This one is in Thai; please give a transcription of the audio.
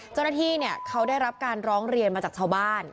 เจ้าหน้าที่เขาได้รับการร้องเรียนมาจากชาวบ้าน